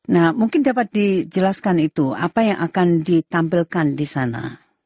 nah mungkin dapat dijelaskan itu apa yang akan ditampilkan di sana